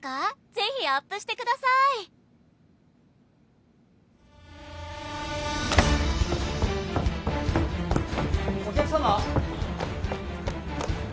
「ぜひアップしてくださーい！」お客さま？